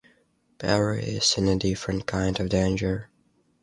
Peri is in a different kind of danger.